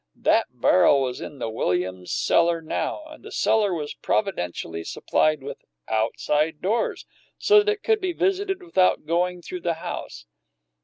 That barrel was in the Williams' cellar now, and the cellar was providentially supplied with "outside doors," so that it could be visited without going through the house.